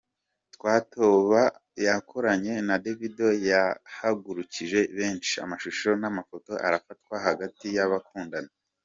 'Twatoba' yakoranye na Davido yahagurukije benshi, amashusho n'amafoto arafatwa hagati y'abakundana.